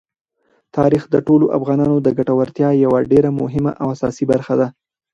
تاریخ د ټولو افغانانو د ګټورتیا یوه ډېره مهمه او اساسي برخه ده.